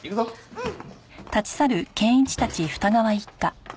うん！